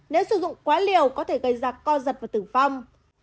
nếu sử dụng quá liều có thể gây ra co giật và tử vong